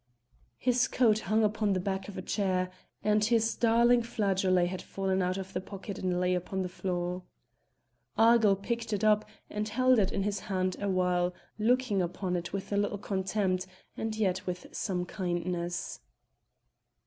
His coat hung upon the back of a chair, and his darling flageolet had fallen out of the pocket and lay upon the floor. Argyll picked it up and held it in his hand a while, looking upon it with a little Contempt, and yet with some kindness.